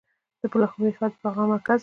د پلخمري ښار د بغلان مرکز دی